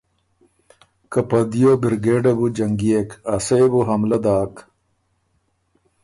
که په دیو بِرګېډ بُو جنګيېک، ا سۀ يې بو حملۀ داک